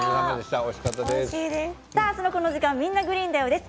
明日のこの時間は「みんな！グリーンだよ」です。